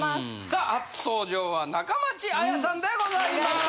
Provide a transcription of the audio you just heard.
さあ初登場は中町綾さんでございます。